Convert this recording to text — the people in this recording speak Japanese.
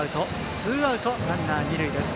ツーアウトランナー、二塁です。